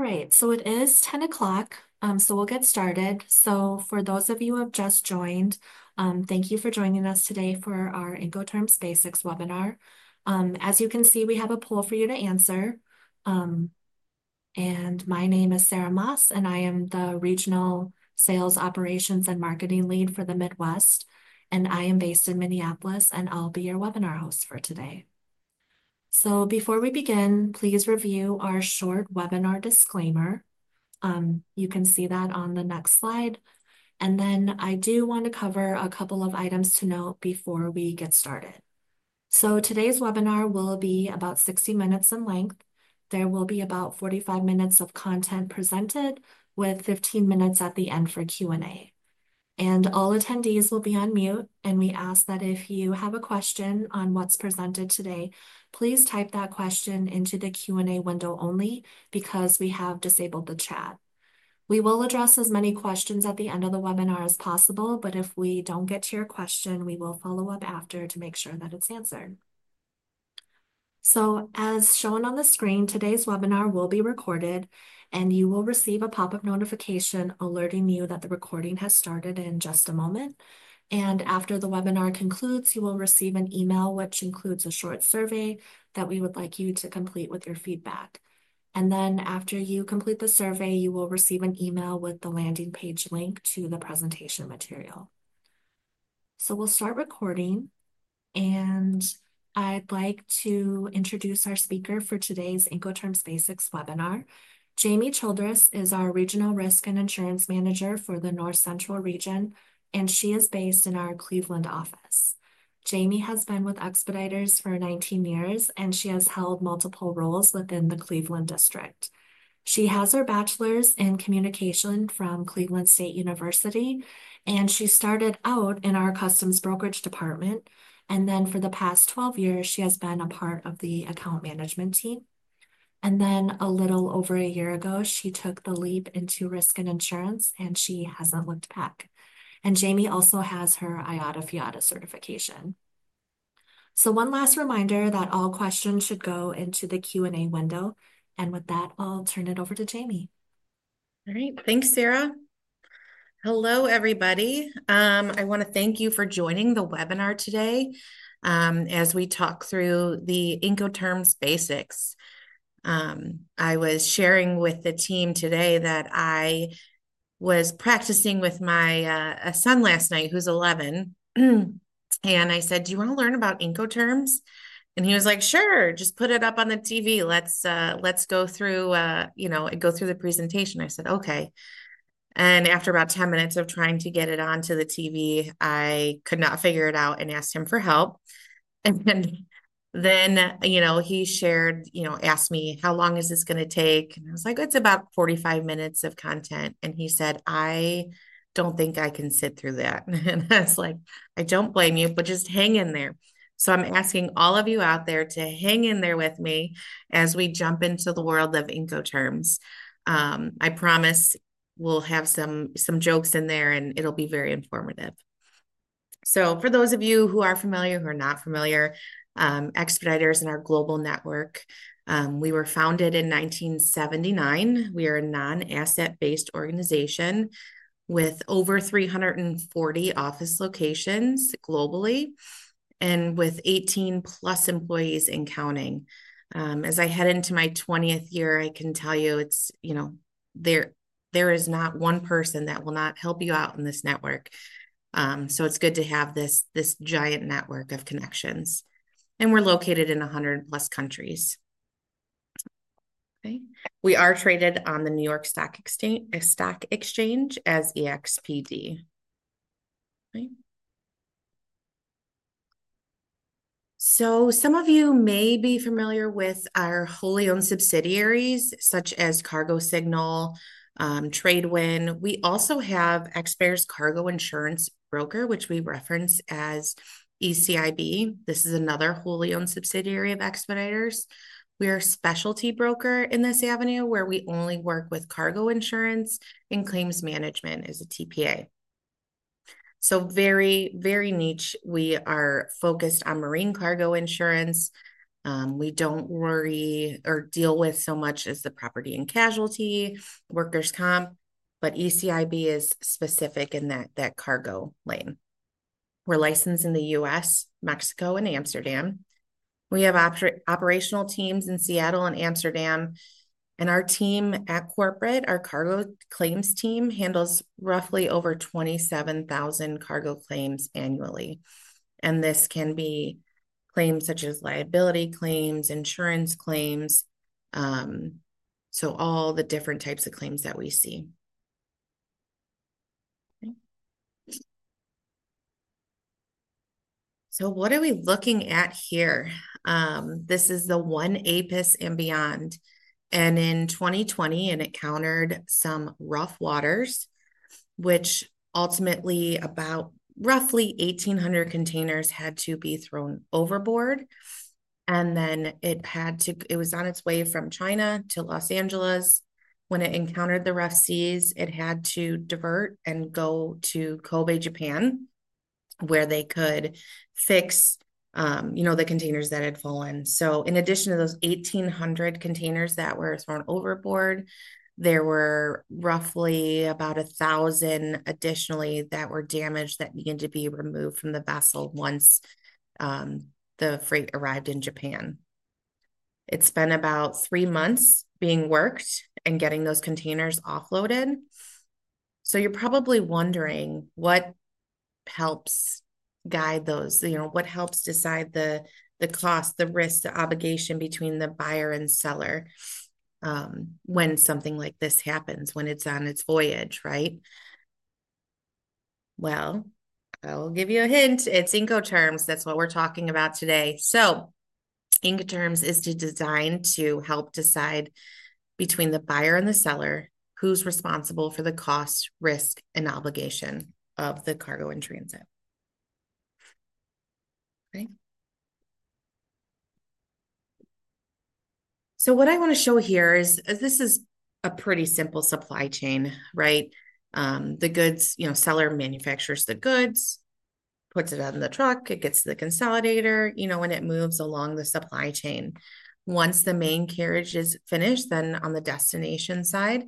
All right, it is 10:00 A.M., so we'll get started. For those of you who have just joined, thank you for joining us today for our Incoterms Basics webinar. As you can see, we have a poll for you to answer. My name is Sarah Moss, and I am the Regional Sales Operations and Marketing Lead for the Midwest, and I am based in Minneapolis, and I'll be your webinar host for today. Before we begin, please review our short webinar disclaimer. You can see that on the next slide. Then I do want to cover a couple of items to note before we get started. Today's webinar will be about 60 minutes in length. There will be about 45 minutes of content presented, with 15 minutes at the end for Q&A. All attendees will be on mute. We ask that if you have a question on what's presented today, please type that question into the Q&A window only because we have disabled the chat. We will address as many questions at the end of the webinar as possible, but if we don't get to your question, we will follow up after to make sure that it's answered. As shown on the screen, today's webinar will be recorded, and you will receive a pop-up notification alerting you that the recording has started in just a moment. After the webinar concludes, you will receive an email which includes a short survey that we would like you to complete with your feedback. After you complete the survey, you will receive an email with the landing page link to the presentation material. So we'll start recording, and I'd like to introduce our speaker for today's Incoterms Basics webinar. Jamie Childress is our Regional Risk and Insurance Manager for the North Central Region, and she is based in our Cleveland office. Jamie has been with Expeditors for 19 years, and she has held multiple roles within the Cleveland District. She has her bachelor's in communication from Cleveland State University, and she started out in our Customs Brokerage Department, and then for the past 12 years, she has been a part of the account management team. And then a little over a year ago, she took the leap into risk and insurance, and she hasn't looked back. And Jamie also has her IATA/FIATA certification. So one last reminder that all questions should go into the Q&A window, and with that, I'll turn it over to Jamie. All right, thanks, Sarah. Hello everybody. I want to thank you for joining the webinar today as we talk through the Incoterms Basics. I was sharing with the team today that I was practicing with my son last night, who's 11, and I said, "Do you want to learn about Incoterms?" And he was like, "Sure, just put it up on the TV. Let's go through, you know, go through the presentation." I said, "Okay." And after about 10 minutes of trying to get it onto the TV, I could not figure it out and asked him for help. And then, you know, he shared, you know, asked me, "How long is this going to take?" And I was like, "It's about 45 minutes of content." And he said, "I don't think I can sit through that." And I was like, "I don't blame you, but just hang in there." So I'm asking all of you out there to hang in there with me as we jump into the world of Incoterms. I promise we'll have some jokes in there, and it'll be very informative. So for those of you who are familiar, who are not familiar, Expeditors and our global network, we were founded in 1979. We are a non-asset-based organization with over 340 office locations globally and with 18 plus employees and counting. As I head into my 20th year, I can tell you it's, you know, there is not one person that will not help you out in this network, so it's good to have this giant network of connections, and we're located in 100 plus countries, okay. We are traded on the New York Stock Exchange as EXPD, okay, so some of you may be familiar with our wholly owned subsidiaries such as Cargo Signal, Tradewin. We also have Expeditors Cargo Insurance Brokers, which we reference as ECIB. This is another wholly owned subsidiary of Expeditors. We are a specialty broker in this avenue where we only work with cargo insurance and claims management as a TPA, so very, very niche. We are focused on marine cargo insurance. We don't worry or deal with so much as the property and casualty, workers' comp, but ECIB is specific in that cargo lane. We're licensed in the U.S., Mexico, and Amsterdam. We have operational teams in Seattle and Amsterdam, and our team at corporate, our cargo claims team, handles roughly over 27,000 cargo claims annually. And this can be claims such as liability claims, insurance claims, so all the different types of claims that we see. Okay, so what are we looking at here? This is the ONE Apus and beyond. And in 2020, it encountered some rough waters, which ultimately about roughly 1,800 containers had to be thrown overboard. And then it had to; it was on its way from China to Los Angeles. When it encountered the rough seas, it had to divert and go to Kobe, Japan, where they could fix, you know, the containers that had fallen. So in addition to those 1,800 containers that were thrown overboard, there were roughly about 1,000 additionally that were damaged that needed to be removed from the vessel once the freight arrived in Japan. It's been about three months being worked and getting those containers offloaded, so you're probably wondering what helps guide those, you know, what helps decide the cost, the risk, the obligation between the buyer and seller when something like this happens, when it's on its voyage, right? Well, I'll give you a hint. It's Incoterms. That's what we're talking about today, so Incoterms is designed to help decide between the buyer and the seller who's responsible for the cost, risk, and obligation of the cargo and transit. Okay, so what I want to show here is this is a pretty simple supply chain, right? The goods, you know, seller manufactures the goods, puts it on the truck, it gets to the consolidator, you know, and it moves along the supply chain. Once the main carriage is finished, then on the destination side,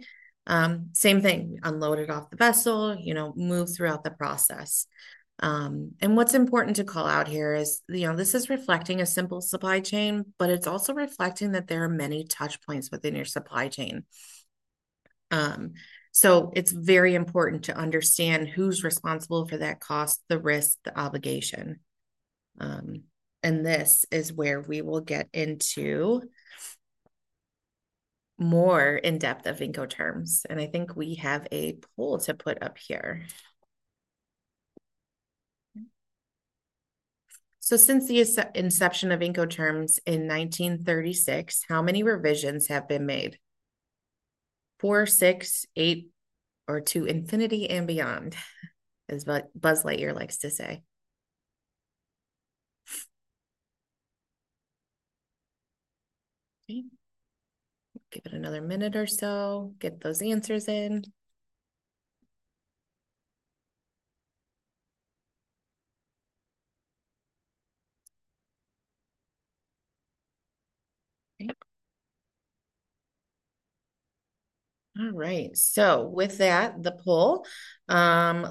same thing, unloaded off the vessel, you know, move throughout the process. What's important to call out here is, you know, this is reflecting a simple supply chain, but it's also reflecting that there are many touch points within your supply chain, so it's very important to understand who's responsible for that cost, the risk, the obligation, and this is where we will get into more in depth of Incoterms, and I think we have a poll to put up here, so since the inception of Incoterms in 1936, how many revisions have been made? Four, six, eight, or to infinity and beyond, as Buzz Lightyear likes to say. Okay. Give it another minute or so. Get those answers in. Okay. All right. So with that, the poll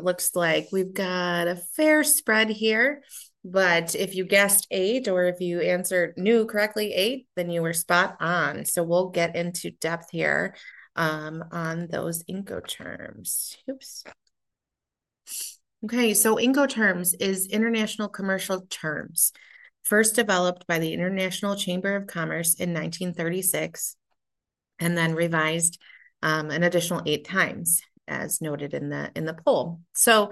looks like we've got a fair spread here, but if you guessed eight or if you answered new correctly eight, then you were spot on. So we'll get into depth here on those Incoterms. Oops. Okay. So Incoterms is international commercial terms, first developed by the International Chamber of Commerce in 1936, and then revised an additional eight times, as noted in the poll. So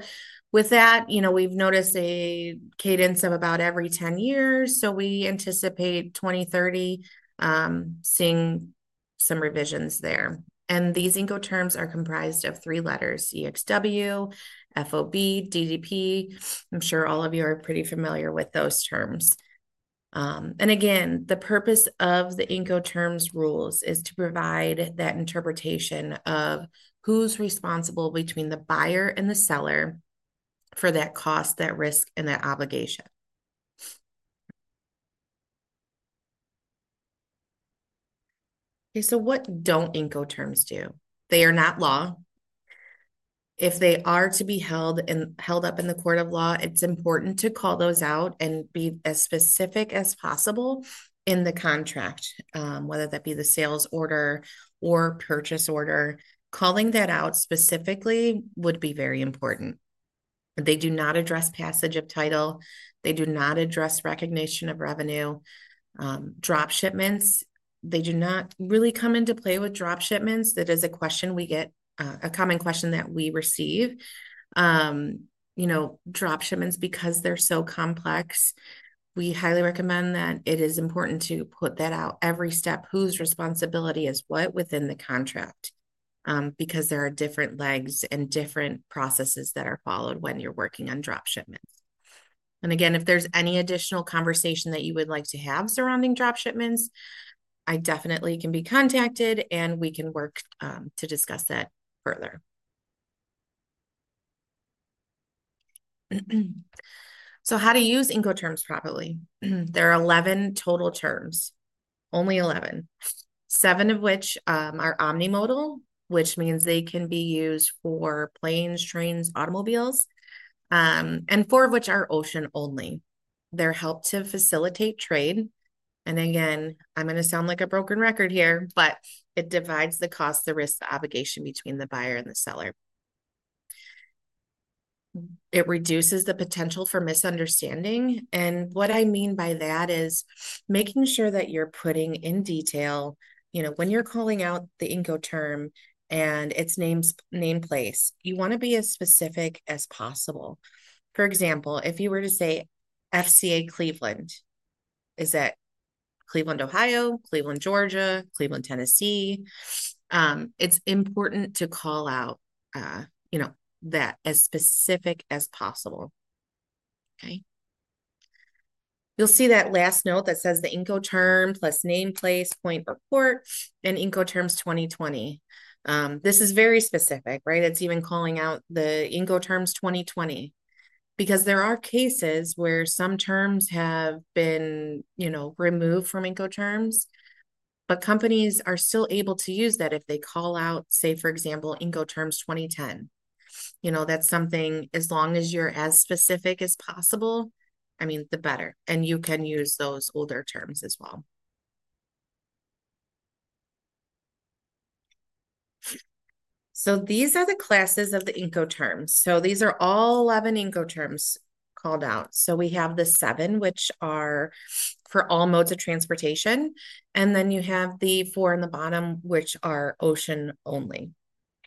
with that, you know, we've noticed a cadence of about every 10 years. So we anticipate 2030 seeing some revisions there. And these Incoterms are comprised of three letters: EXW, FOB, DDP. I'm sure all of you are pretty familiar with those terms. Again, the purpose of the Incoterms rules is to provide that interpretation of who's responsible between the buyer and the seller for that cost, that risk, and that obligation. Okay. What don't Incoterms do? They are not law. If they are to be held up in the court of law, it's important to call those out and be as specific as possible in the contract, whether that be the sales order or purchase order. Calling that out specifically would be very important. They do not address passage of title. They do not address recognition of revenue. Drop shipments, they do not really come into play with drop shipments. That is a question we get, a common question that we receive. You know, drop shipments, because they're so complex, we highly recommend that it is important to put that out every step, whose responsibility is what within the contract, because there are different legs and different processes that are followed when you're working on drop shipments. And again, if there's any additional conversation that you would like to have surrounding drop shipments, I definitely can be contacted, and we can work to discuss that further. So how to use Incoterms properly. There are 11 total terms, only 11, seven of which are omni-modal, which means they can be used for planes, trains, automobiles, and four of which are ocean only. They help to facilitate trade. And again, I'm going to sound like a broken record here, but it divides the cost, the risk, the obligation between the buyer and the seller. It reduces the potential for misunderstanding. What I mean by that is making sure that you're putting in detail, you know, when you're calling out the Incoterms and its name, named place, you want to be as specific as possible. For example, if you were to say FCA Cleveland, is that Cleveland, Ohio, Cleveland, Georgia, Cleveland, Tennessee? It's important to call out, you know, that as specific as possible. Okay. You'll see that last note that says the Incoterms plus named place, point report, and Incoterms 2020. This is very specific, right? It's even calling out the Incoterms 2020 because there are cases where some terms have been, you know, removed from Incoterms, but companies are still able to use that if they call out, say, for example, Incoterms 2010. You know, that's something as long as you're as specific as possible, I mean, the better. And you can use those older terms as well. These are the classes of the Incoterms. These are all 11 Incoterms called out. We have the seven, which are for all modes of transportation. You have the four on the bottom, which are ocean only.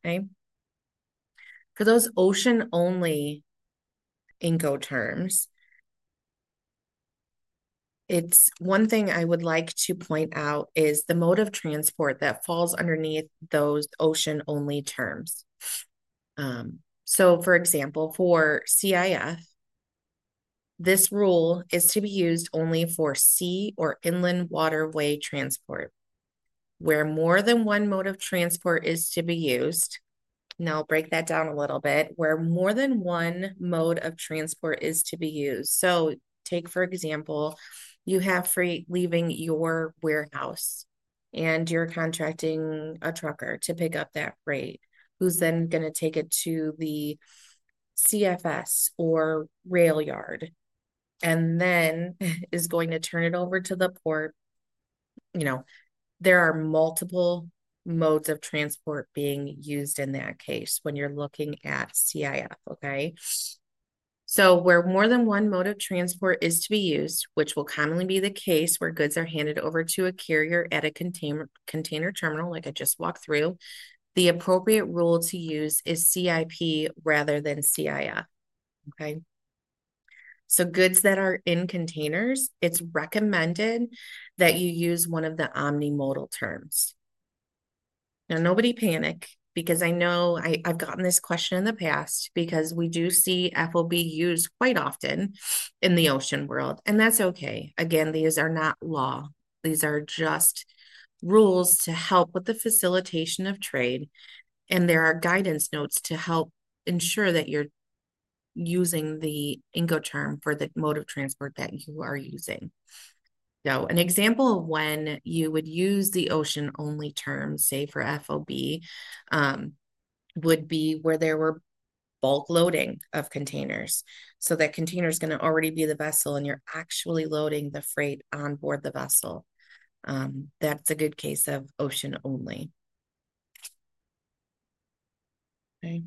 Okay. For those ocean only Incoterms, it's one thing I would like to point out is the mode of transport that falls underneath those ocean only terms. For example, for CIF, this rule is to be used only for sea or inland waterway transport where more than one mode of transport is to be used. I'll break that down a little bit where more than one mode of transport is to be used. So take for example, you have freight leaving your warehouse and you're contracting a trucker to pick up that freight, who's then going to take it to the CFS or rail yard and then is going to turn it over to the port. You know, there are multiple modes of transport being used in that case when you're looking at CIF, okay? So where more than one mode of transport is to be used, which will commonly be the case where goods are handed over to a carrier at a container terminal like I just walked through, the appropriate rule to use is CIP rather than CIF, okay? So goods that are in containers, it's recommended that you use one of the omni-modal terms. Now, nobody panic because I know I've gotten this question in the past because we do see FOB used quite often in the ocean world. That's okay. Again, these are not law. These are just rules to help with the facilitation of trade. There are guidance notes to help ensure that you're using the Incoterm for the mode of transport that you are using. An example of when you would use the ocean only term, say for FOB, would be where there were bulk loading of containers. That container is going to already be the vessel and you're actually loading the freight onboard the vessel. That's a good case of ocean only. Okay.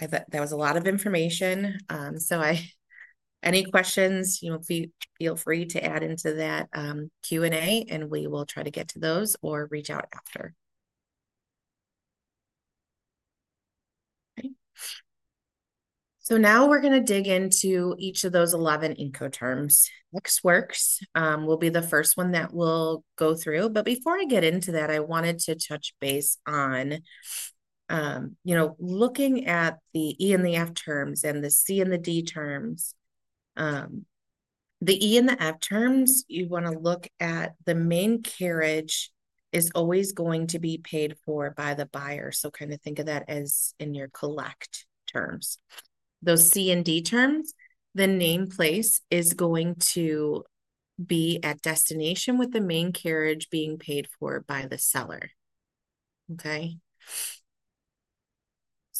I bet that was a lot of information. Any questions, you know, feel free to add into that Q&A and we will try to get to those or reach out after. Okay. Now we're going to dig into each of those 11 Incoterms. EXW will be the first one that we'll go through. But before I get into that, I wanted to touch base on, you know, looking at the E and the F terms and the C and the D terms. The E and the F terms, you want to look at the main carriage is always going to be paid for by the buyer. So kind of think of that as in your collect terms. Those C and D terms, the named place is going to be at destination with the main carriage being paid for by the seller. Okay.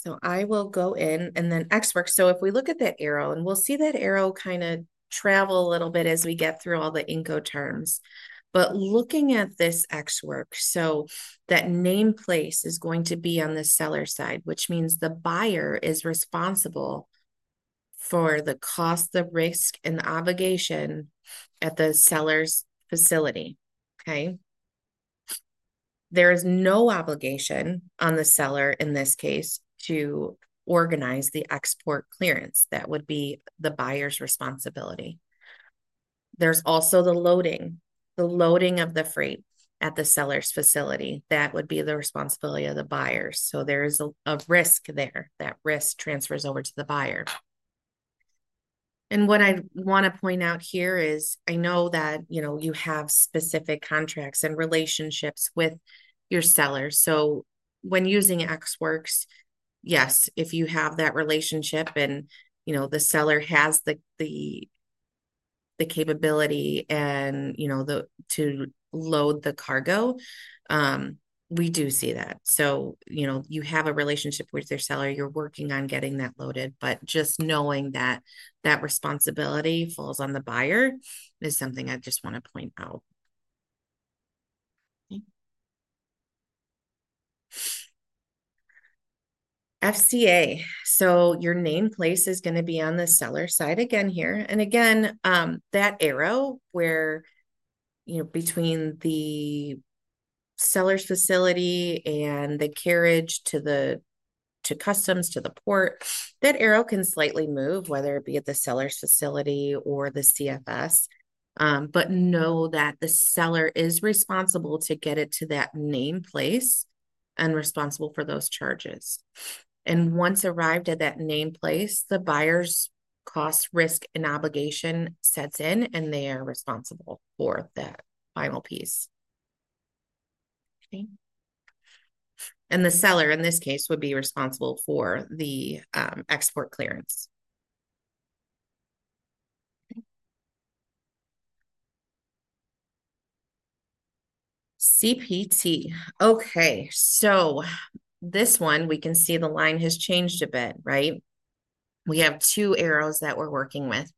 So I will go in and then EXW. So if we look at that arrow, and we'll see that arrow kind of travel a little bit as we get through all the Incoterms. But looking at this EXW, so that named place is going to be on the seller side, which means the buyer is responsible for the cost, the risk, and the obligation at the seller's facility. Okay. There is no obligation on the seller in this case to organize the export clearance. That would be the buyer's responsibility. There's also the loading of the freight at the seller's facility. That would be the responsibility of the buyer. So there is a risk there. That risk transfers over to the buyer. And what I want to point out here is I know that, you know, you have specific contracts and relationships with your sellers. So when using EXW, yes, if you have that relationship and, you know, the seller has the capability and, you know, to load the cargo, we do see that. So, you know, you have a relationship with your seller. You're working on getting that loaded. But just knowing that that responsibility falls on the buyer is something I just want to point out. Okay. FCA. So your named place is going to be on the seller side again here. And again, that arrow where, you know, between the seller's facility and the carriage to customs to the port, that arrow can slightly move, whether it be at the seller's facility or the CFS. But know that the seller is responsible to get it to that named place and responsible for those charges. And once arrived at that named place, the buyer's cost, risk, and obligation sets in, and they are responsible for that final piece. Okay. And the seller in this case would be responsible for the export clearance. Okay. CPT. Okay. So this one, we can see the line has changed a bit, right? We have two arrows that we're working with.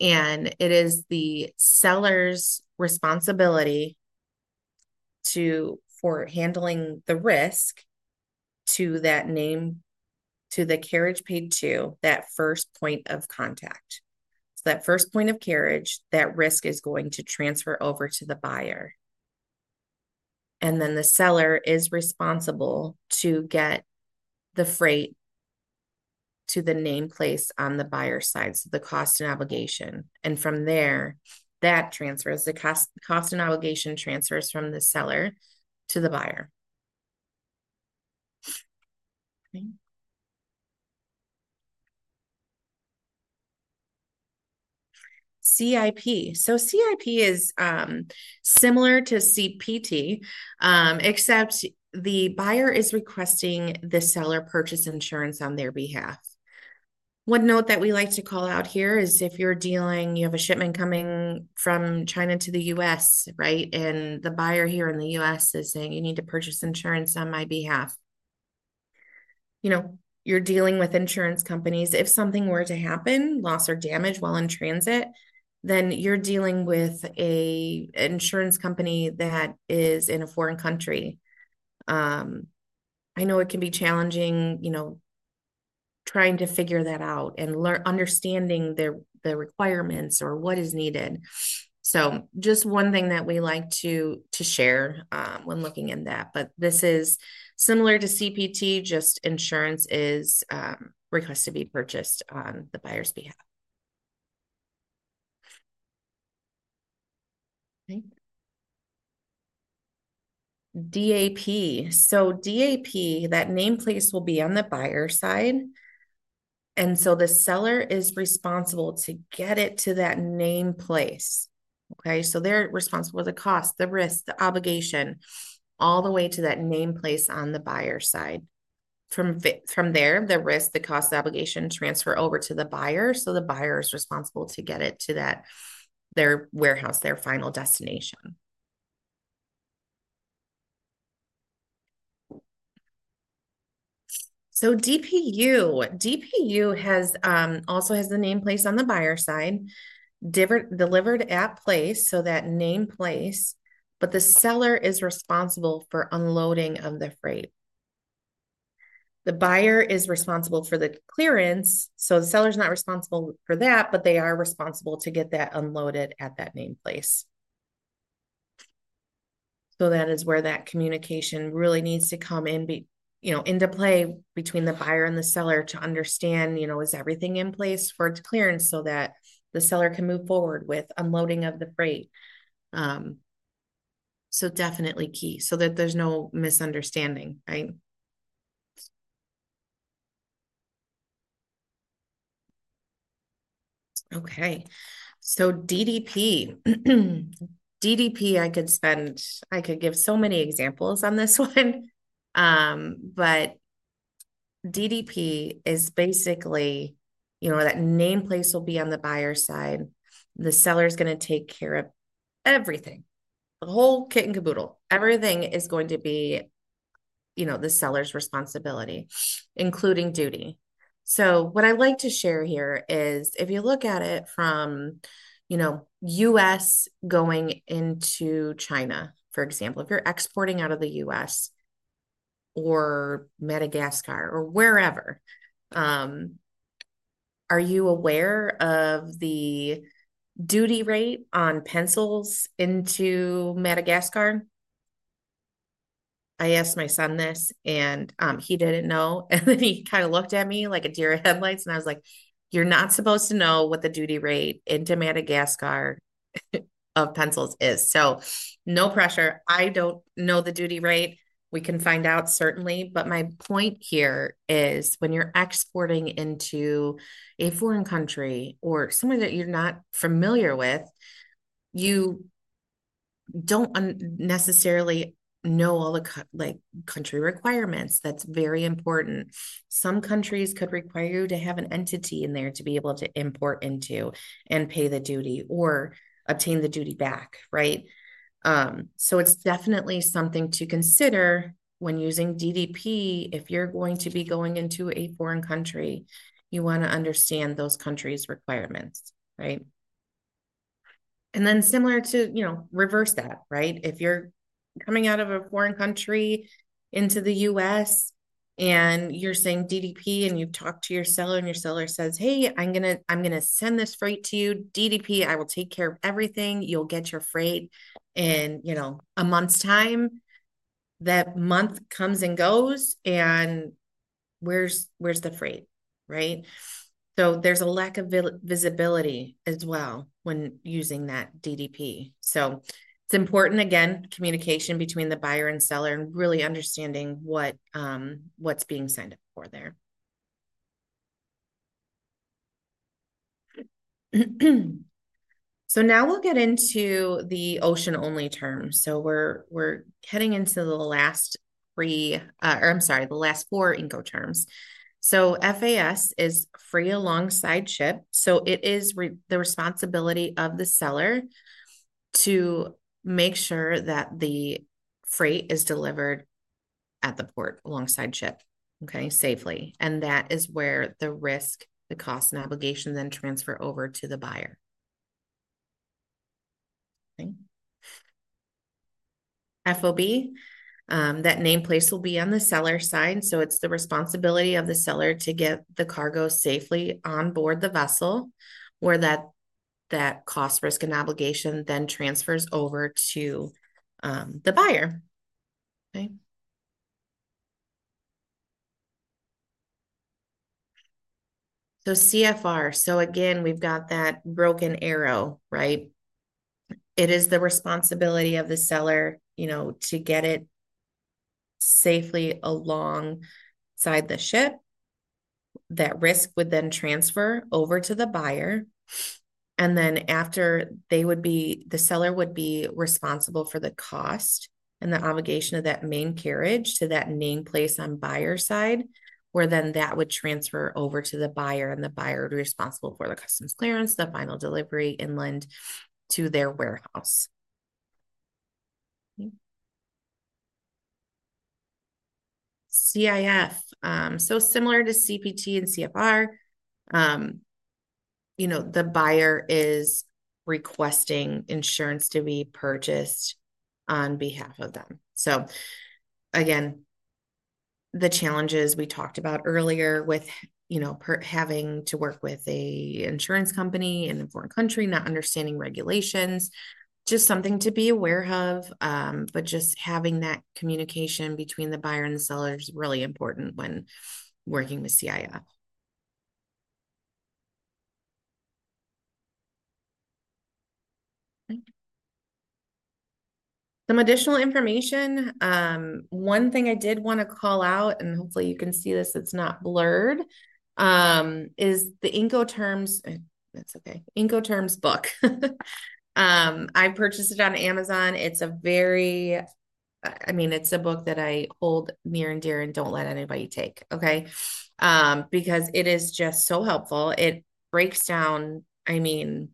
And it is the seller's responsibility for handling the risk to that named, to the carriage paid to, that first point of contact. So that first point of carriage, that risk is going to transfer over to the buyer. And then the seller is responsible to get the freight to the named place on the buyer's side. So the cost and obligation. And from there, that transfers, the cost and obligation transfers from the seller to the buyer. Okay. CIP. So CIP is similar to CPT, except the buyer is requesting the seller purchase insurance on their behalf. One note that we like to call out here is if you're dealing, you have a shipment coming from China to the US, right? The buyer here in the U.S. is saying, "You need to purchase insurance on my behalf." You know, you're dealing with insurance companies. If something were to happen, loss or damage while in transit, then you're dealing with an insurance company that is in a foreign country. I know it can be challenging, you know, trying to figure that out and understanding the requirements or what is needed. So just one thing that we like to share when looking at that. But this is similar to CPT, just insurance is requested to be purchased on the buyer's behalf. Okay. DAP. So DAP, that named place will be on the buyer's side. And so the seller is responsible to get it to that named place. Okay. So they're responsible for the cost, the risk, the obligation, all the way to that named place on the buyer's side. From there, the risk, the cost, the obligation transfer over to the buyer. So the buyer is responsible to get it to their warehouse, their final destination. So DPU. DPU also has the named place on the buyer's side, delivered at place, so that named place, but the seller is responsible for unloading of the freight. The buyer is responsible for the clearance. So the seller is not responsible for that, but they are responsible to get that unloaded at that named place. So that is where that communication really needs to come in, you know, into play between the buyer and the seller to understand, you know, is everything in place for its clearance so that the seller can move forward with unloading of the freight. So definitely key so that there's no misunderstanding, right? Okay. So DDP. DDP, I could spend, I could give so many examples on this one. But DDP is basically, you know, that named place will be on the buyer's side. The seller is going to take care of everything. The whole kit and caboodle. Everything is going to be, you know, the seller's responsibility, including duty. So what I'd like to share here is if you look at it from, you know, U.S. going into China, for example, if you're exporting out of the U.S. or Madagascar or wherever, are you aware of the duty rate on pencils into Madagascar? I asked my son this and he didn't know. And then he kind of looked at me like a deer in headlights and I was like, "You're not supposed to know what the duty rate into Madagascar of pencils is." So no pressure. I don't know the duty rate. We can find out certainly. But my point here is when you're exporting into a foreign country or somewhere that you're not familiar with, you don't necessarily know all the country requirements. That's very important. Some countries could require you to have an entity in there to be able to import into and pay the duty or obtain the duty back, right? So it's definitely something to consider when using DDP. If you're going to be going into a foreign country, you want to understand those countries' requirements, right? And then similar to, you know, reverse that, right? If you're coming out of a foreign country into the U.S. and you're saying DDP and you've talked to your seller and your seller says, "Hey, I'm going to send this freight to you. DDP, I will take care of everything. You'll get your freight in, you know, a month's time." That month comes and goes and where's the freight, right? So there's a lack of visibility as well when using that DDP. So it's important, again, communication between the buyer and seller and really understanding what's being signed up for there. So now we'll get into the ocean only terms. So we're getting into the last three, or I'm sorry, the last four Incoterms. So FAS is free alongside ship. So it is the responsibility of the seller to make sure that the freight is delivered at the port alongside ship, okay, safely. And that is where the risk, the cost, and obligation then transfer over to the buyer. Okay. FOB, that named place will be on the seller's side. It's the responsibility of the seller to get the cargo safely onboard the vessel where that cost, risk, and obligation then transfers over to the buyer. Okay. CFR. Again, we've got that broken arrow, right? It is the responsibility of the seller, you know, to get it safely alongside the ship. That risk would then transfer over to the buyer. And then the seller would be responsible for the cost and the obligation of that main carriage to that named place on buyer's side where then that would transfer over to the buyer and the buyer would be responsible for the customs clearance, the final delivery inland to their warehouse. Okay. CIF. Similar to CPT and CFR, you know, the buyer is requesting insurance to be purchased on behalf of them. So again, the challenges we talked about earlier with, you know, having to work with an insurance company in a foreign country, not understanding regulations, just something to be aware of. But just having that communication between the buyer and the seller is really important when working with CIF. Okay. Some additional information. One thing I did want to call out, and hopefully you can see this, it's not blurred, is the Incoterms book. I purchased it on Amazon. It's a very, I mean, it's a book that I hold near and dear and don't let anybody take, okay? Because it is just so helpful. It breaks down, I mean,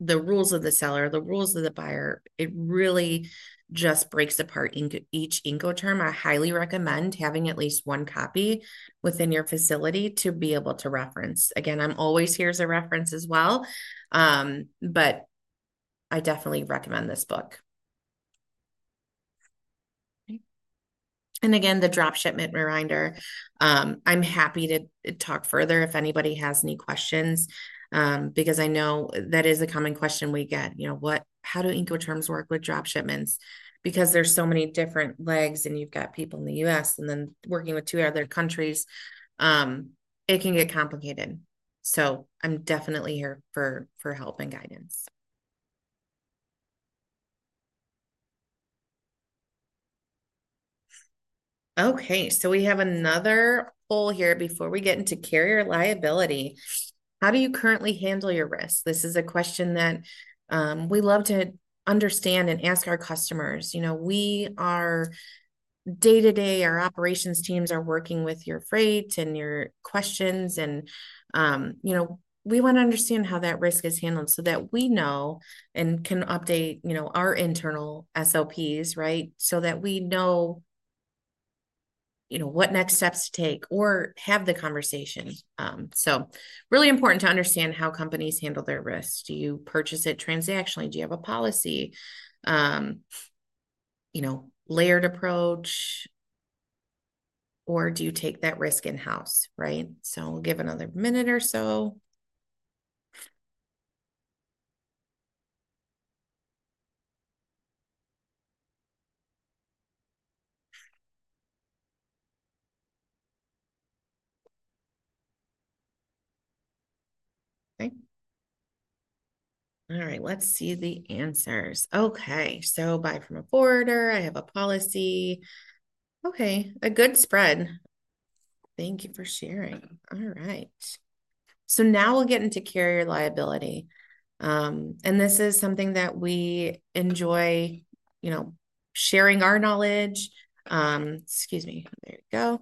the rules of the seller, the rules of the buyer. It really just breaks apart each Incoterm. I highly recommend having at least one copy within your facility to be able to reference. Again, I'm always here as a reference as well, but I definitely recommend this book. Okay, and again, the drop shipment reminder. I'm happy to talk further if anybody has any questions because I know that is a common question we get, you know, what, how do Incoterms work with drop shipments? Because there's so many different legs and you've got people in the U.S. and then working with two other countries, it can get complicated, so I'm definitely here for help and guidance. Okay, so we have another poll here before we get into carrier liability. How do you currently handle your risk? This is a question that we love to understand and ask our customers. You know, we are day-to-day, our operations teams are working with your freight and your questions and, you know, we want to understand how that risk is handled so that we know and can update, you know, our internal SOPs, right? So that we know, you know, what next steps to take or have the conversation, so really important to understand how companies handle their risk. Do you purchase it transactionally? Do you have a policy, you know, layered approach? Or do you take that risk in-house, right? So we'll give another minute or so. Okay. All right. Let's see the answers. Okay. So buy from a forwarder. I have a policy. Okay. A good spread. Thank you for sharing. All right. So now we'll get into carrier liability, and this is something that we enjoy, you know, sharing our knowledge. Excuse me. There you go.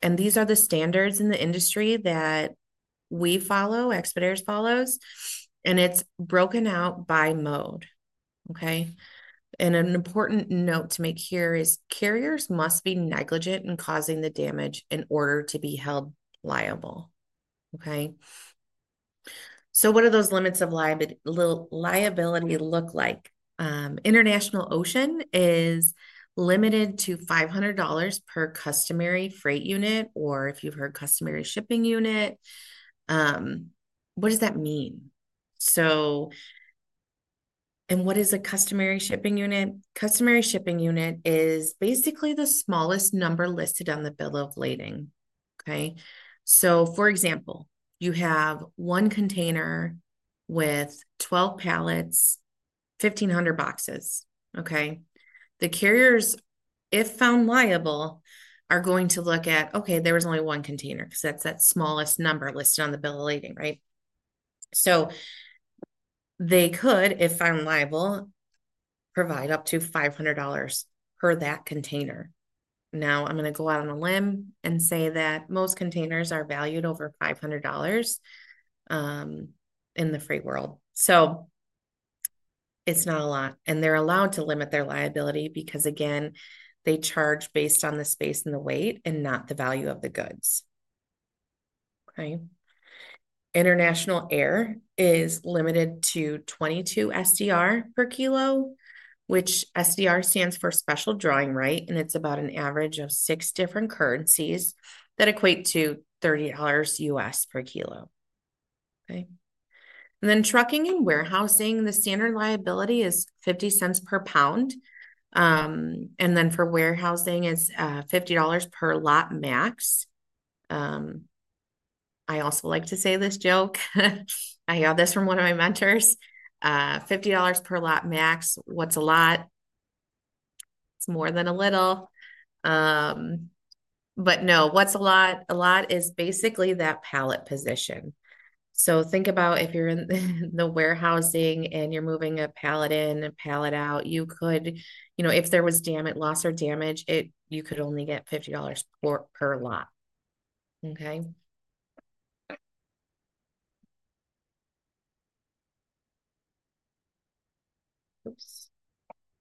Freight Carrier Legal Liability. Carriers are allowed to limit their liability. These are the standards in the industry that we follow, Expeditors follows. It's broken out by mode. Okay? An important note to make here is carriers must be negligent in causing the damage in order to be held liable. Okay? What do those limits of liability look like? International Ocean is limited to $500 per customary freight unit or if you've heard customary shipping unit. What does that mean? So and what is a customary shipping unit? Customary shipping unit is basically the smallest number listed on the bill of lading. Okay? For example, you have one container with 12 pallets, 1,500 boxes. Okay? The carriers, if found liable, are going to look at, okay, there was only one container because that's the smallest number listed on the bill of lading, right? They could, if found liable, provide up to $500 per that container. Now I'm going to go out on a limb and say that most containers are valued over $500 in the freight world. So it's not a lot. And they're allowed to limit their liability because, again, they charge based on the space and the weight and not the value of the goods. Okay? International air is limited to 22 SDR per kilo, which SDR stands for special drawing rights. And it's about an average of six different currencies that equate to $30 US per kilo. Okay? And then trucking and warehousing, the standard liability is $0.50 per pound. And then for warehousing, it's $50 per lot max. I also like to say this joke. I got this from one of my mentors. $50 per lot max. What's a lot? It's more than a little. But no, what's a lot? A lot is basically that pallet position. So think about if you're in the warehousing and you're moving a pallet in, a pallet out, you could, you know, if there was damage, loss or damage, you could only get $50 per lot. Okay?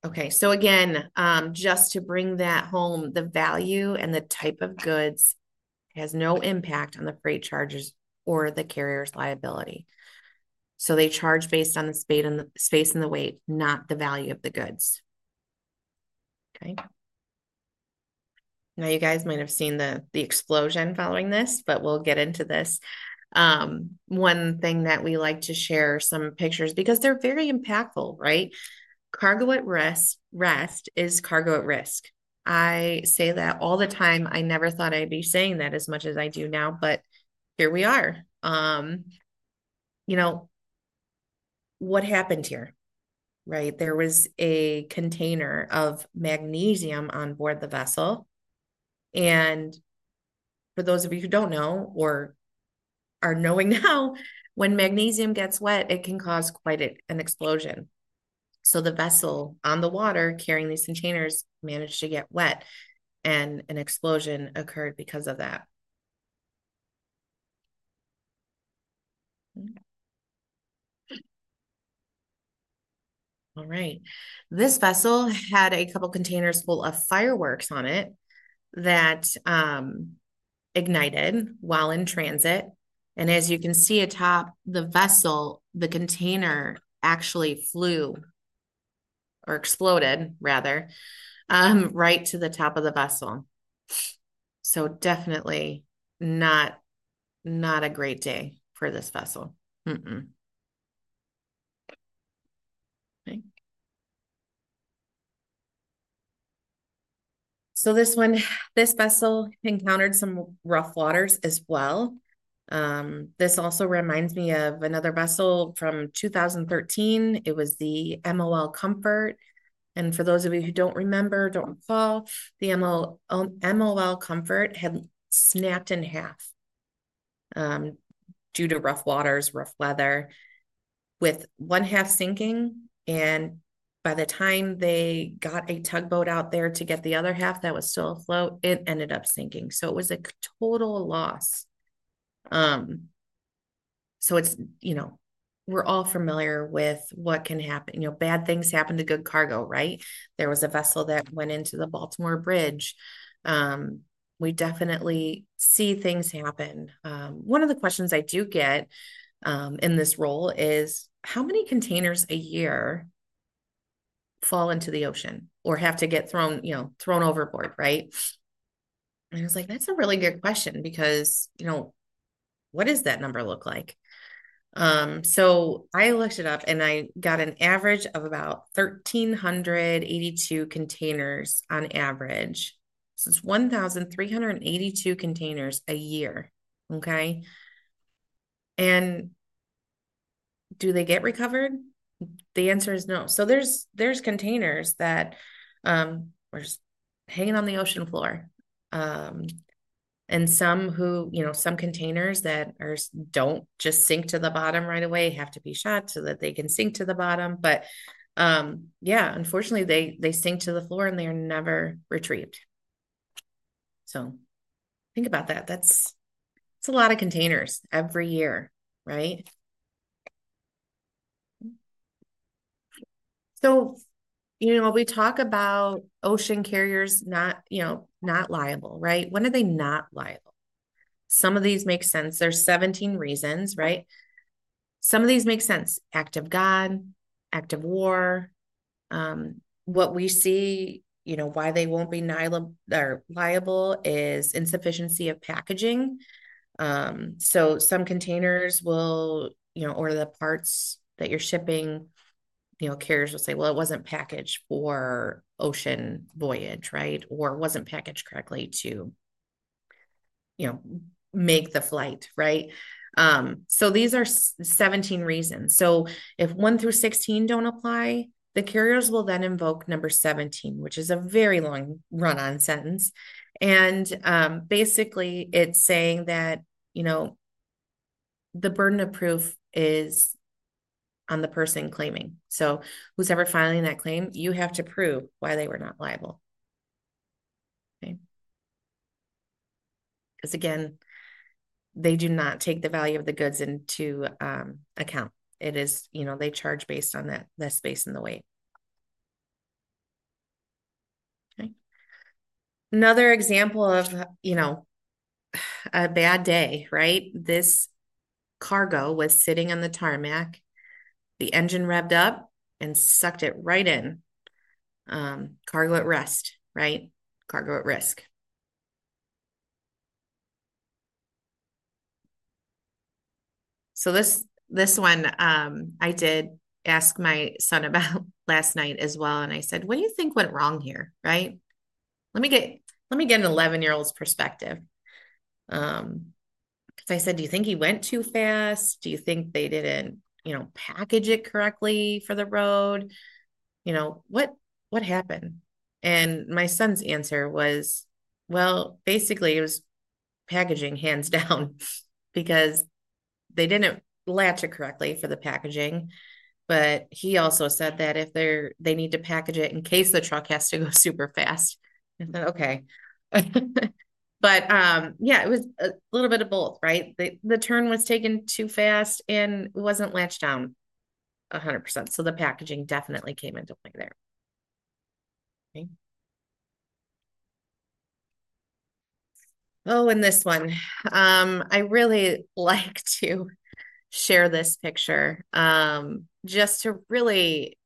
Okay. So again, just to bring that home, the value and the type of goods has no impact on the freight charges or the carrier's liability. So they charge based on the space and the weight, not the value of the goods. Okay? Now you guys might have seen the explosion following this, but we'll get into this. One thing that we like to share, some pictures because they're very impactful, right? Cargo at rest is cargo at risk. I say that all the time. I never thought I'd be saying that as much as I do now, but here we are. You know, what happened here, right? There was a container of magnesium on board the vessel. And for those of you who don't know or are knowing now, when magnesium gets wet, it can cause quite an explosion. So the vessel on the water carrying these containers managed to get wet and an explosion occurred because of that. All right. This vessel had a couple of containers full of fireworks on it that ignited while in transit. And as you can see atop the vessel, the container actually flew or exploded, rather, right to the top of the vessel. So definitely not a great day for this vessel. Okay. So this one, this vessel encountered some rough waters as well. This also reminds me of another vessel from 2013. It was the MOL Comfort, and for those of you who don't remember, don't recall, the MOL Comfort had snapped in half due to rough waters, rough weather, with one half sinking. And by the time they got a tugboat out there to get the other half that was still afloat, it ended up sinking. So it was a total loss, so it's, you know, we're all familiar with what can happen. You know, bad things happen to good cargo, right? There was a vessel that went into the Key Bridge. We definitely see things happen. One of the questions I do get in this role is, how many containers a year fall into the ocean or have to get thrown, you know, thrown overboard, right? And I was like, that's a really good question because, you know, what does that number look like? So I looked it up and I got an average of about 1,382 containers on average. So it's 1,382 containers a year. Okay? And do they get recovered? The answer is no. So there's containers that are hanging on the ocean floor. And some who, you know, some containers that don't just sink to the bottom right away have to be shot so that they can sink to the bottom. But yeah, unfortunately, they sink to the floor and they are never retrieved. So think about that. That's a lot of containers every year, right? So you know, we talk about ocean carriers not, you know, not liable, right? When are they not liable? Some of these make sense. There's 17 reasons, right? Some of these make sense. Act of God, act of war. What we see, you know, why they won't be liable is insufficiency of packaging. So some containers will, you know, or the parts that you're shipping, you know, carriers will say, well, it wasn't packaged for ocean voyage, right? Or wasn't packaged correctly to, you know, make the flight, right? These are 17 reasons, so if one through 16 don't apply, the carriers will then invoke number 17, which is a very long run-on sentence. And basically, it's saying that, you know, the burden of proof is on the person claiming, so whoever's filing that claim, you have to prove why they were not liable. Okay? Because again, they do not take the value of the goods into account. It is, you know, they charge based on the space and the weight. Okay? Another example of, you know, a bad day, right? This cargo was sitting on the tarmac. The engine revved up and sucked it right in. Cargo at rest, right? Cargo at risk. This one, I did ask my son about last night as well. I said, what do you think went wrong here, right? Let me get an 11-year-old's perspective. Because I said, do you think he went too fast? Do you think they didn't, you know, package it correctly for the road? You know, what happened? My son's answer was, well, basically, it was packaging hands down because they didn't latch it correctly for the packaging. But he also said that if they need to package it in case the truck has to go super fast. I thought, okay. But yeah, it was a little bit of both, right? The turn was taken too fast and it wasn't latched down 100%. So the packaging definitely came into play there. Okay. Oh, and this one. I really like to share this picture just to really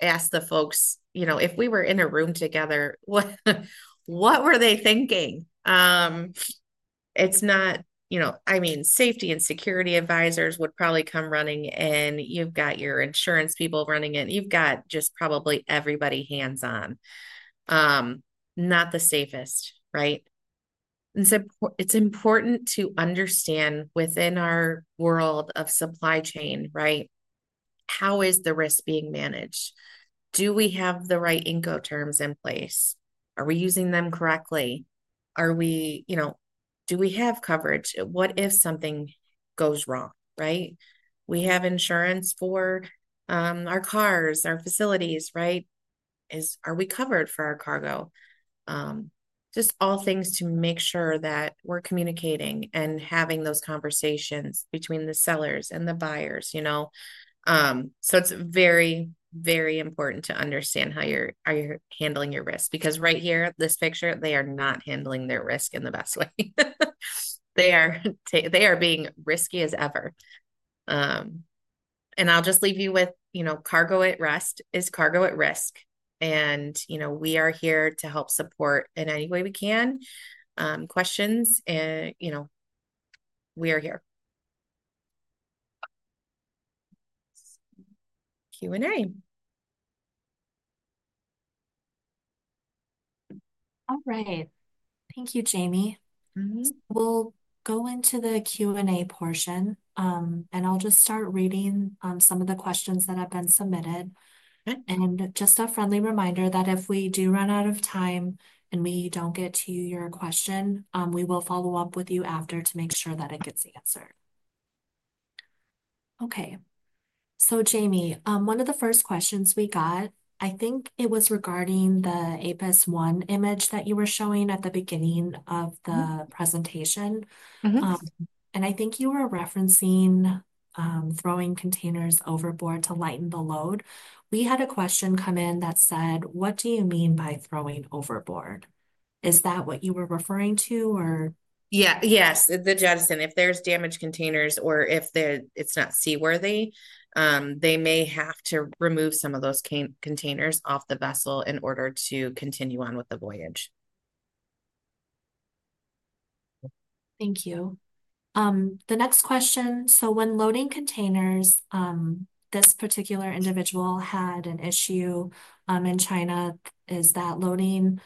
ask the folks, you know, if we were in a room together, what were they thinking? It's not, you know, I mean, safety and security advisors would probably come running and you've got your insurance people running it. You've got just probably everybody hands on. Not the safest, right? It's important to understand within our world of supply chain, right? How is the risk being managed? Do we have the right Incoterms in place? Are we using them correctly? Are we, you know, do we have coverage? What if something goes wrong, right? We have insurance for our cars, our facilities, right? Are we covered for our cargo? Just all things to make sure that we're communicating and having those conversations between the sellers and the buyers, you know? So it's very, very important to understand how you're handling your risk. Because right here, this picture, they are not handling their risk in the best way. They are being risky as ever. And I'll just leave you with, you know, cargo at rest is cargo at risk. And, you know, we are here to help support in any way we can. Questions, you know, we are here. Q&A. All right. Thank you, Jamie. We'll go into the Q&A portion. And I'll just start reading some of the questions that have been submitted. And just a friendly reminder that if we do run out of time and we don't get to your question, we will follow up with you after to make sure that it gets answered. Okay. So, Jamie, one of the first questions we got, I think it was regarding the ONE Apus image that you were showing at the beginning of the presentation. And I think you were referencing throwing containers overboard to lighten the load. We had a question come in that said, what do you mean by throwing overboard? Is that what you were referring to, or? Yeah. Yes. The jettison, if there's damaged containers or if it's not seaworthy, they may have to remove some of those containers off the vessel in order to continue on with the voyage. Thank you. The next question. So when loading containers, this particular individual had an issue in China. Is that loading,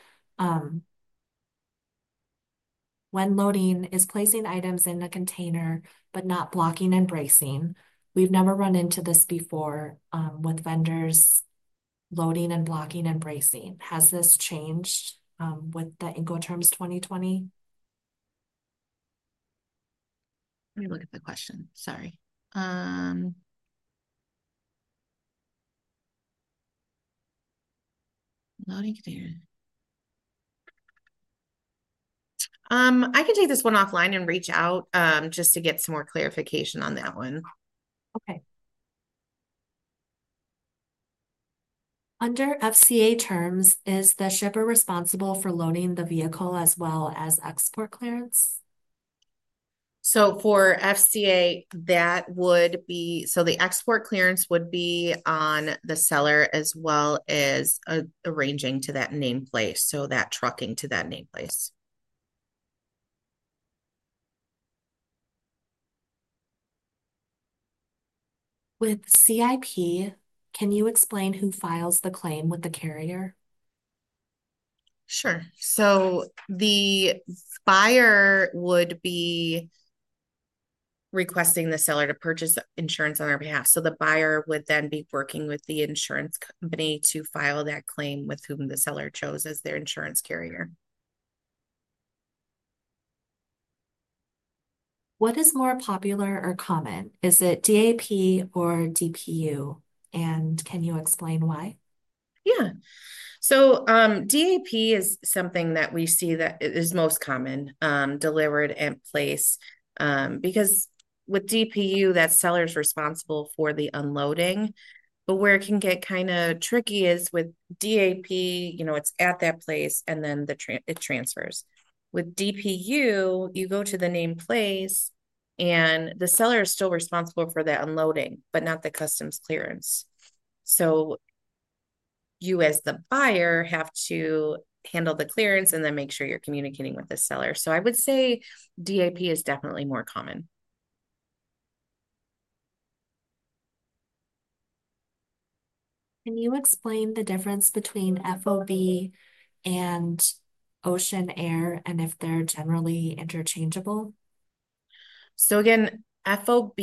when loading is placing items in a container, but not blocking and bracing? We've never run into this before with vendors loading and blocking and bracing. Has this changed with the Incoterms 2020? Let me look at the question. Sorry. Loading container. I can take this one offline and reach out just to get some more clarification on that one. Okay. Under FCA terms, is the shipper responsible for loading the vehicle as well as export clearance? So for FCA, that would be so the export clearance would be on the seller as well as arranging to that named place. So that trucking to that named place. With CIP, can you explain who files the claim with the carrier? Sure. So the buyer would be requesting the seller to purchase insurance on their behalf. So the buyer would then be working with the insurance company to file that claim with whom the seller chose as their insurance carrier. What is more popular or common? Is it DAP or DPU? And can you explain why? Yeah. DAP is something that we see that is most common: delivered at place. Because with DPU, that seller is responsible for the unloading. But where it can get kind of tricky is with DAP, you know, it's at that place and then it transfers. With DPU, you go to the named place and the seller is still responsible for the unloading, but not the customs clearance. So you as the buyer have to handle the clearance and then make sure you're communicating with the seller. So I would say DAP is definitely more common. Can you explain the difference between FOB and ocean air and if they're generally interchangeable? So again, FOB,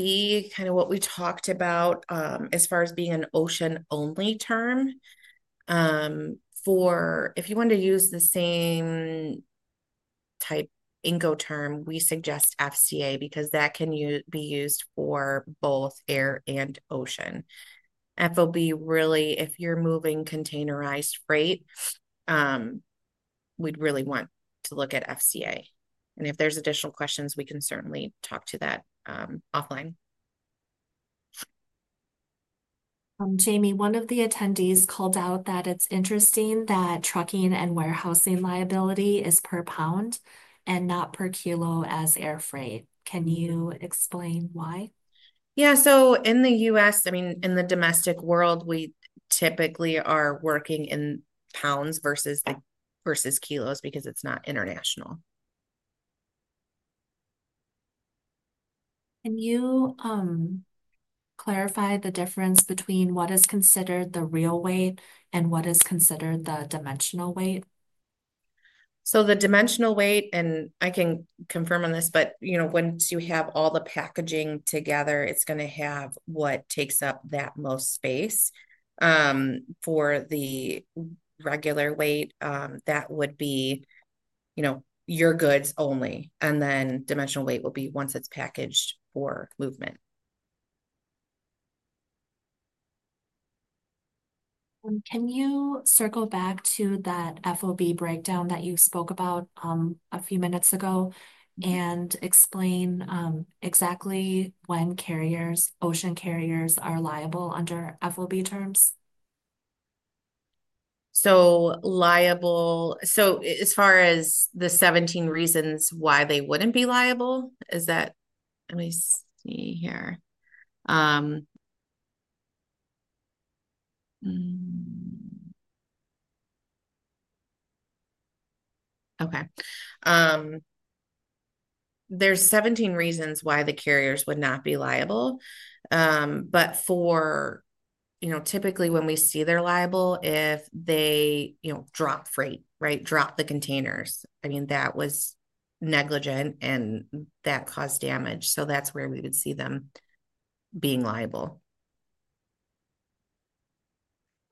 kind of what we talked about as far as being an ocean-only term. Or if you want to use the same type Incoterm, we suggest FCA because that can be used for both air and ocean. FOB, really, if you're moving containerized freight, we'd really want to look at FCA, and if there's additional questions, we can certainly talk to that offline. Jamie, one of the attendees called out that it's interesting that trucking and warehousing liability is per pound and not per kilo as air freight. Can you explain why? Yeah. So in the U.S., I mean, in the domestic world, we typically are working in pounds versus kilos because it's not international. Can you clarify the difference between what is considered the real weight and what is considered the dimensional weight? So the dimensional weight, and I can confirm on this, but, you know, once you have all the packaging together, it's going to have what takes up that most space. For the regular weight, that would be, you know, your goods only. And then dimensional weight will be once it's packaged for movement. Can you circle back to that FOB breakdown that you spoke about a few minutes ago and explain exactly when carriers, ocean carriers, are liable under FOB terms? So liable, so as far as the 17 reasons why they wouldn't be liable. Okay. There's 17 reasons why the carriers would not be liable. But for, you know, typically when we see they're liable, if they, you know, drop freight, right? Drop the containers. I mean, that was negligent and that caused damage. So that's where we would see them being liable.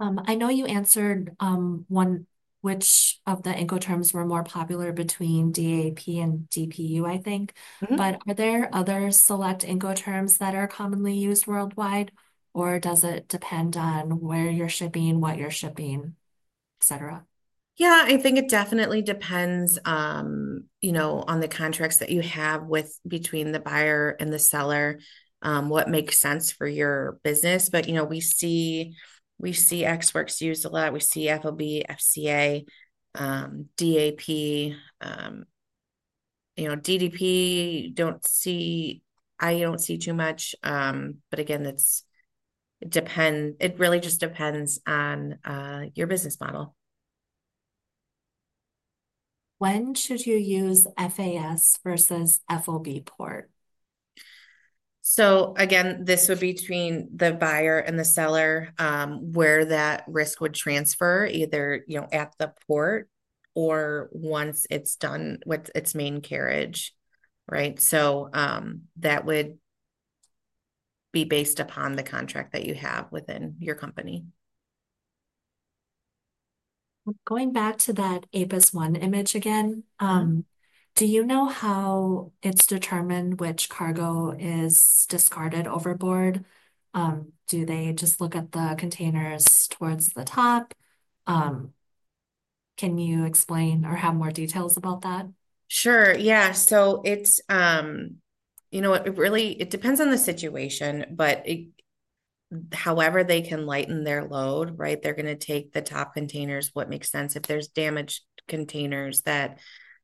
I know you answered one which of the Incoterms were more popular between DAP and DPU, I think. But are there other select Incoterms that are commonly used worldwide? Or does it depend on where you're shipping, what you're shipping, etc.? Yeah. I think it definitely depends, you know, on the contracts that you have between the buyer and the seller, what makes sense for your business. But, you know, we see EXW used a lot. We see FOB, FCA, DAP. You know, DDP, I don't see too much. But again, it depends. It really just depends on your business model. When should you use FAS versus FOB port? So again, this would be between the buyer and the seller where that risk would transfer, either, you know, at the port or once it's done with its main carriage, right? So that would be based upon the contract that you have within your company. Going back to that ONE Apus image again, do you know how it's determined which cargo is discarded overboard? Do they just look at the containers towards the top? Can you explain or have more details about that? Sure. Yeah. So it's, you know, it really depends on the situation, but however they can lighten their load, right? They're going to take the top containers, what makes sense. If there's damaged containers that,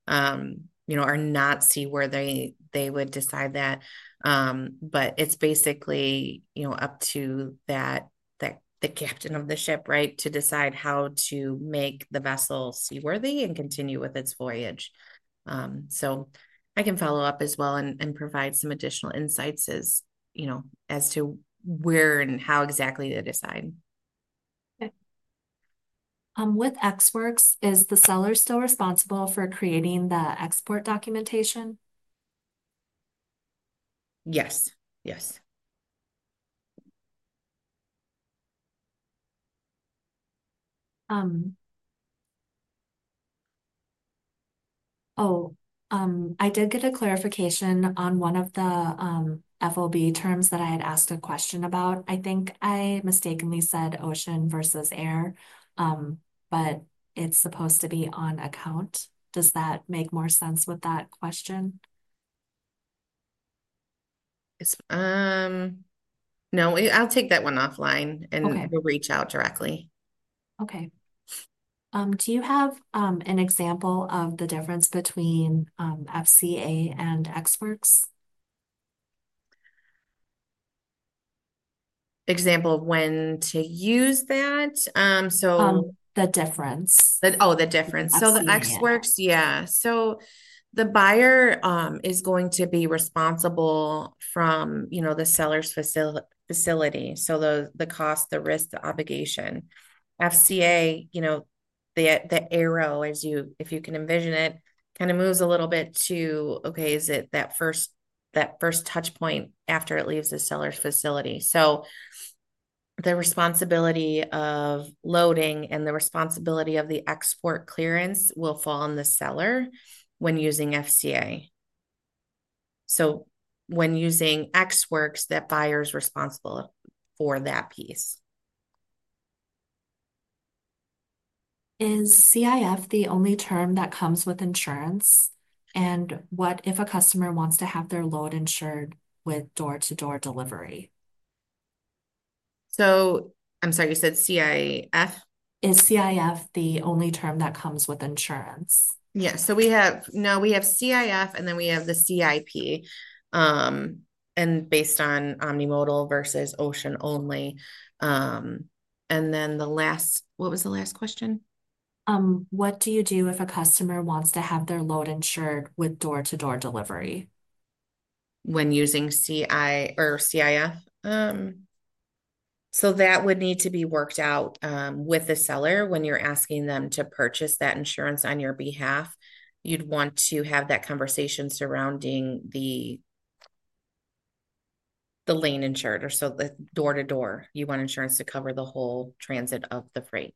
you know, are not seaworthy, they would decide that. But it's basically, you know, up to the captain of the ship, right, to decide how to make the vessel seaworthy and continue with its voyage. So I can follow up as well and provide some additional insights as, you know, as to where and how exactly they decide. Okay. With EXW, is the seller still responsible for creating the export documentation? Yes. Yes. Oh, I did get a clarification on one of the FOB terms that I had asked a question about. I think I mistakenly said ocean versus air, but it's supposed to be on account. Does that make more sense with that question? No. I'll take that one offline and we'll reach out directly. Okay. Do you have an example of the difference between FCA and EXW? Example of when to use that? So the difference. Oh, the difference. So the EXW, yeah. So the buyer is going to be responsible from, you know, the seller's facility. So the cost, the risk, the obligation. FCA, you know, the arrow, as you if you can envision it, kind of moves a little bit to, okay, is it that first touchpoint after it leaves the seller's facility? So the responsibility of loading and the responsibility of the export clearance will fall on the seller when using FCA. So when using EXW, that buyer is responsible for that piece. Is CIF the only term that comes with insurance? And what if a customer wants to have their load insured with door-to-door delivery? So I'm sorry, you said CIF? Is CIF the only term that comes with insurance? Yeah. So we have no, we have CIF, and then we have the CIP. And based on omni-modal versus ocean only. And then the last, what was the last question? What do you do if a customer wants to have their load insured with door-to-door delivery? When using CIF? So that would need to be worked out with the seller when you're asking them to purchase that insurance on your behalf. You'd want to have that conversation surrounding the lane insured or so the door-to-door. You want insurance to cover the whole transit of the freight.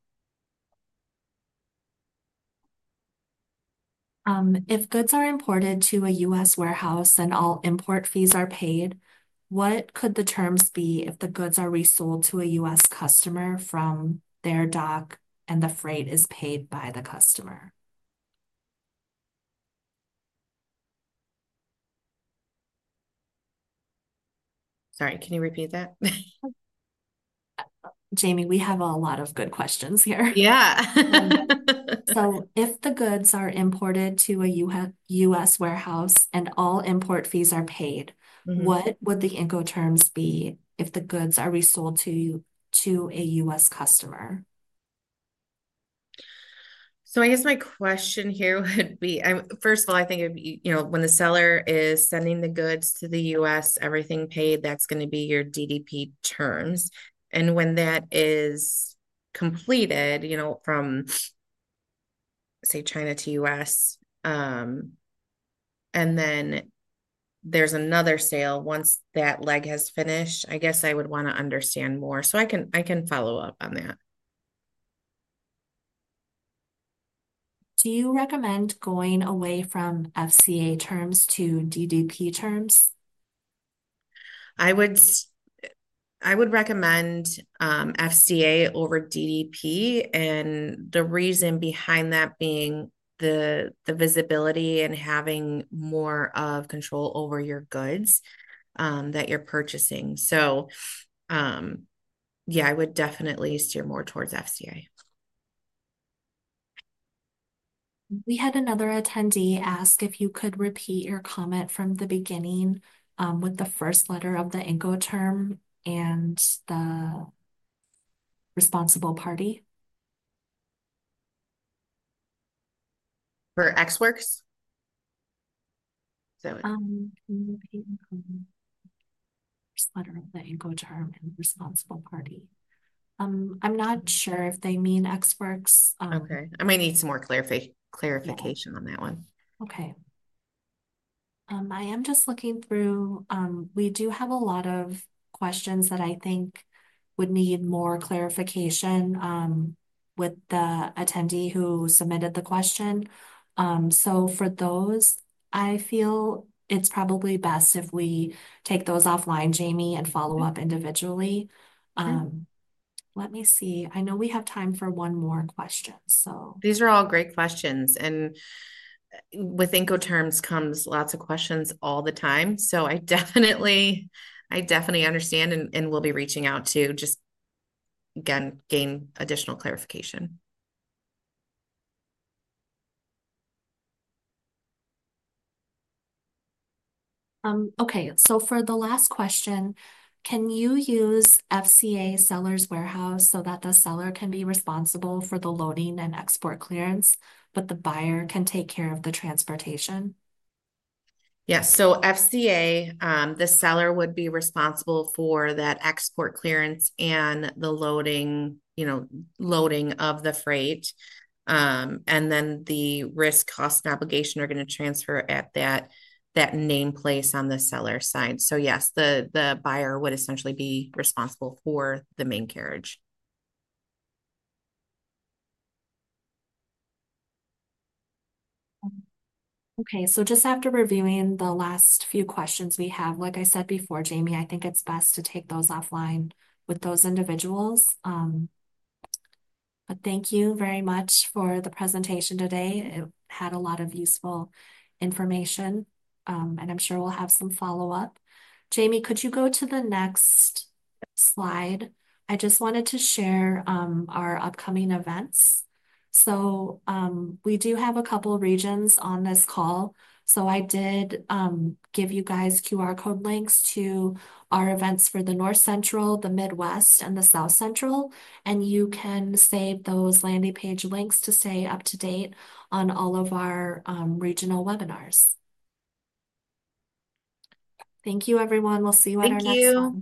If goods are imported to a U.S. warehouse and all import fees are paid, what could the terms be if the goods are resold to a U.S. customer from their dock and the freight is paid by the customer? Sorry. Can you repeat that? Jamie, we have a lot of good questions here. Yeah. So if the goods are imported to a U.S. warehouse and all import fees are paid, what would the Incoterms be if the goods are resold to a U.S. customer? So I guess my question here would be, first of all, I think it would be, you know, when the seller is sending the goods to the U.S., everything paid, that's going to be your DDP terms. And when that is completed, you know, from, say, China to U.S., and then there's another sale once that leg has finished, I guess I would want to understand more. So I can follow up on that. Do you recommend going away from FCA terms to DDP terms? I would recommend FCA over DDP. The reason behind that being the visibility and having more of control over your goods that you're purchasing. So yeah, I would definitely steer more towards FCA. We had another attendee ask if you could repeat your comment from the beginning with the first letter of the Incoterm and the responsible party. For EXW? So letter of the Incoterm and responsible party. I'm not sure if they mean EXW. Okay. I might need some more clarification on that one. Okay. I am just looking through. We do have a lot of questions that I think would need more clarification with the attendee who submitted the question. So for those, I feel it's probably best if we take those offline, Jamie, and follow up individually. Let me see. I know we have time for one more question, so. These are all great questions. With Incoterms comes lots of questions all the time. I definitely understand and will be reaching out to just, again, gain additional clarification. Okay. For the last question, can you use FCA seller's warehouse so that the seller can be responsible for the loading and export clearance, but the buyer can take care of the transportation? Yes. FCA, the seller would be responsible for that export clearance and the loading, you know, loading of the freight. Then the risk, cost, and obligation are going to transfer at that named place on the seller's side. Yes, the buyer would essentially be responsible for the main carriage. Okay. Just after reviewing the last few questions we have, like I said before, Jamie, I think it's best to take those offline with those individuals. But thank you very much for the presentation today. It had a lot of useful information, and I'm sure we'll have some follow-up. Jamie, could you go to the next slide? I just wanted to share our upcoming events. So we do have a couple of regions on this call. So I did give you guys QR code links to our events for the North Central, the Midwest, and the South Central. And you can save those landing page links to stay up to date on all of our regional webinars. Thank you, everyone. We'll see you on our next one. Thank you.